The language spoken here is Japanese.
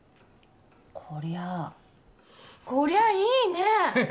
こりゃあこりゃあいいねえ！